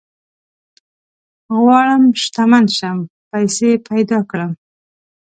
غواړم شتمن شم ، پيسي پيدا کړم